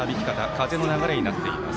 風の流れになっています。